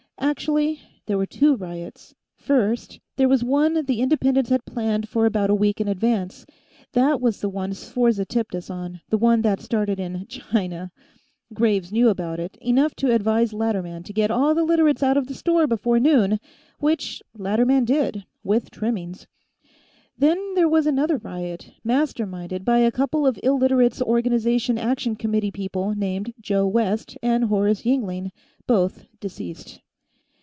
Actually, there were two riots. First, there was one the Independents had planned for about a week in advance; that was the one Sforza tipped us on, the one that started in China. Graves knew about it, enough to advise Latterman to get all the Literates out of the store before noon, which Latterman did, with trimmings. "Then, there was another riot, masterminded by a couple of Illiterates' Organization Action Committee people named Joe West and Horace Yingling, both deceased.